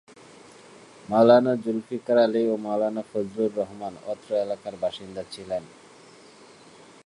মাওলানা জুলফিকার আলী ও মাওলানা ফজলুর রহমান অত্র এলাকার বাসিন্দা ছিলেন।